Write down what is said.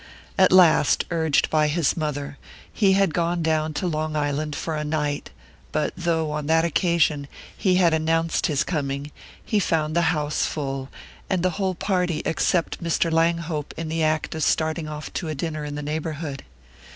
At last, urged by his mother, he had gone down to Long Island for a night; but though, on that occasion, he had announced his coming, he found the house full, and the whole party except Mr. Langhope in the act of starting off to a dinner in the neighbourhood.